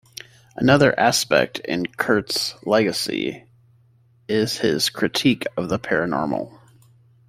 Another aspect in Kurtz's legacy is his critique of the paranormal.